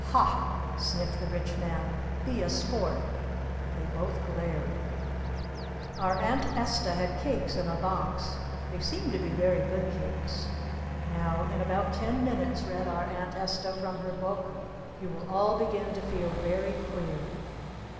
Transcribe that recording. "Ha!" sniffed the Rich Man. "Be a Sport!" They both glared. Our Aunt Esta had cakes in a box. They seemed to be very good cakes. "Now in about ten minutes," read our Aunt Esta from her book, "you will all begin to feel very queer."